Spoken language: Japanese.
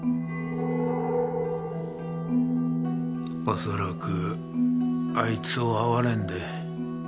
おそらくあいつを哀れんで。